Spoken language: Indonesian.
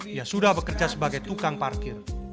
dia sudah bekerja sebagai tukang parkir